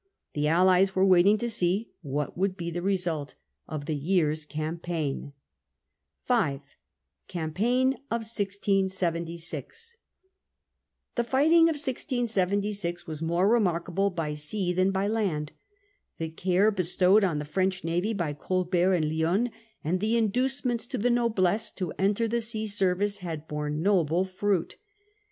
The allies were waiting to see what would be the result of the year's campaign. 5 Campaign of 1676. The fighting of 1676 was more remarkable by sea than by land. The care bestowed on the French navy „, by Colbert and Lionne, and the inducements to fleet ; the noblesse to enter the sea service, had borne noble fruit.